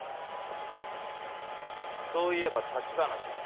そういえば橘先生。